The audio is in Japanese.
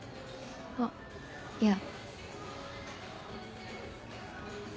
あっいや。